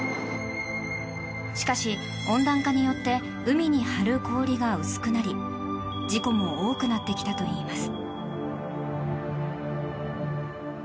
しかし、温暖化によって海に張る氷が薄くなり事故も多くなってきたといいます。